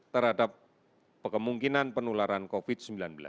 terhadap kemungkinan penularan covid sembilan belas